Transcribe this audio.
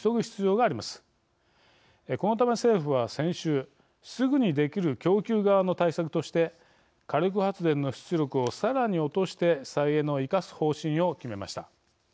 このため政府は先週すぐにできる供給側の対策として火力発電の出力をさらに落として再エネを生かす方針を決めました。